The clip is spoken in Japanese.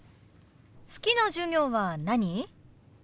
好きな授業は何？